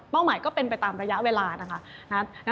เป้าหมายก็เป็นไปตามระยะเวลานะครับ